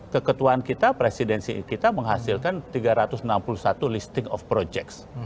keketuaan kita presidensi kita menghasilkan tiga ratus enam puluh satu listing of projects